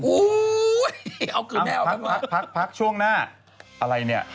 อู้วววเอาคืนแม่เอามาพักช่วงหน้าอะไรเนี่ย